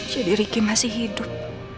jadi ricky masih hidup